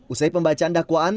usai pembacaan dakwaan